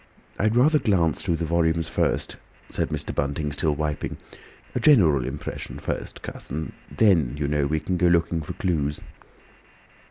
"I'd rather glance through the volumes first," said Mr. Bunting, still wiping. "A general impression first, Cuss, and then, you know, we can go looking for clues."